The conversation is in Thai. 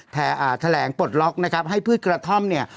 แถลงปลดล็อกนะครับให้พืชกระท่อมเนี่ย